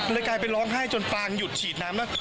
กลายไปร้องไห้จนปางหยุดฉีดน้ำแล้ว